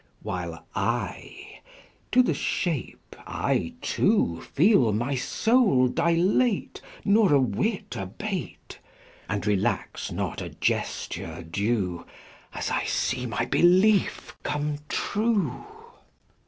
XX. While I to the shape, I too Feel my soul dilate Nor a whit abate, And relax not a gesture due, As I see my belief come true.